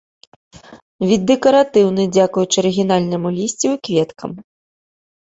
Від дэкаратыўны дзякуючы арыгінальнаму лісцю і кветкам.